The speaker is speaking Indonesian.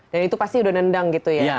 dan itu pasti sudah nendang gitu ya